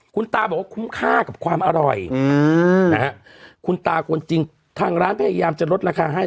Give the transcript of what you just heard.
คุณตาบอกว่าคุ้มค่ากับความอร่อยนะฮะคุณตาคนจริงทางร้านพยายามจะลดราคาให้